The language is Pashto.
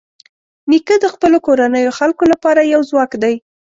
نیکه د خپلو کورنیو خلکو لپاره یو ځواک دی.